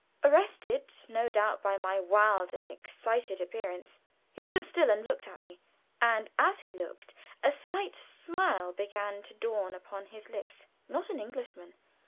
Arrested (no doubt by my wild and excited appearance), he stood still and looked at me, and as he looked a slight smile began to dawn upon his lips. Not an Englishman.